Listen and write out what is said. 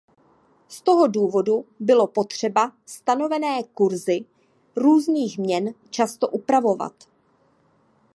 Z toho důvodu bylo potřeba stanovené kurzy různých měn často upravovat.